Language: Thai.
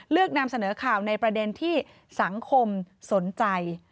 นำเสนอข่าวในประเด็นที่สังคมสนใจ